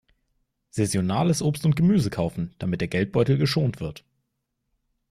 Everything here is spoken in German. Saisonales Obst und Gemüse kaufen, damit der Geldbeutel geschont wird.